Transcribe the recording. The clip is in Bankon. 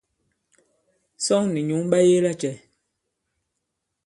Sᴐŋ nì nyǔŋ ɓa yege lacɛ̄?